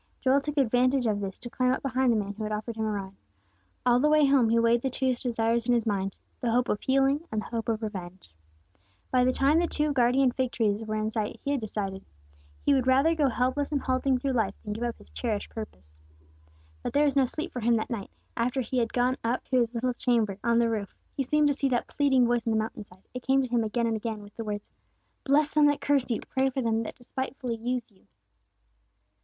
Joel took advantage of this to climb up behind the man who had offered him a ride. All the way home he weighed the two desires in his mind, the hope of healing, and the hope of revenge. By the time the two guardian fig trees were in sight, he had decided. He would rather go helpless and halting through life than give up his cherished purpose. But there was no sleep for him that night, after he had gone up to his little chamber on the roof. He seemed to see that pleading face on the mountain side; it came to him again and again, with the words, "Bless them that curse you! Pray for them that despitefully use you!"